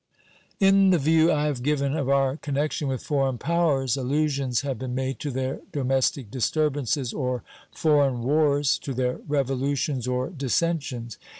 In the view I have given of our connection with foreign powers allusions have been made to their domestic disturbances or foreign wars, to their revolutions or dissensions.